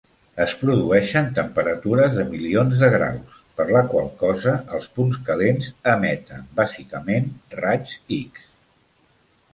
Es produeixen temperatures de milions de graus, per la qual cosa els punts calents emeten bàsicament raigs X.